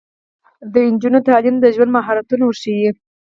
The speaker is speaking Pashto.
د نجونو تعلیم د ژوند مهارتونه ورښيي.